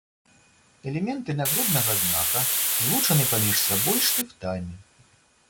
Элементы нагруднага знака злучаны паміж сабой штыфтамі.